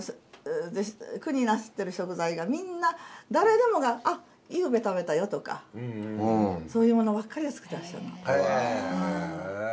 句になさってる食材がみんな誰でもが「あっゆうべ食べたよ」とかそういうものばっかりを作ってらっしゃるの。